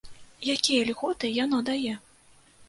Якія льготы яно дае?